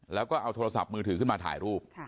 แล้วก็เอาโทรศัพท์มือถือขึ้นมาถ่ายรูป